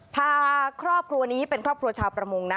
พาครอบครัวนี้เป็นครอบครัวชาวประมงนะ